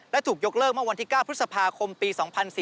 และถูกยกเลิกเมื่อวันที่๙พฤษภาคมปี๒๔๔